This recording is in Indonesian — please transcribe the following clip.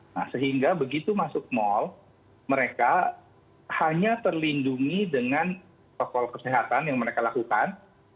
nah sehingga begitu masuk mal mereka hanya terlindungi dengan protokol kesehatan yang mereka lakukan